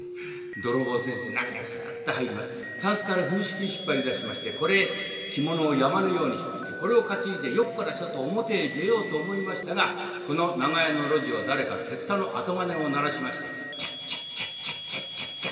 泥棒先生中へすっと入りましてタンスから風呂敷を引っ張り出しましてこれへ着物を山のようにしましてこれを担いでよっこらしょと表へ出ようと思いましたがこの長屋の路地を誰か雪駄の後金を鳴らしましてチャッチャッチャッチャッチャッチャッチャッ。